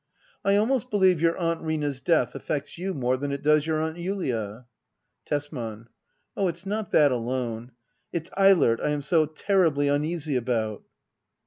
"] I almost believe your Aunt lUna's death affects you more than it does your Aunt Julia. Tesman. Oh^ it's not that alone. It's Eilert I am so terribly uneasy about.